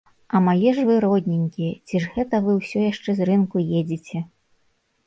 А мае ж вы родненькія, ці ж гэта вы ўсё яшчэ з рынку едзеце?